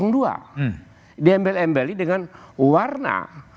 diembel embeli dengan warna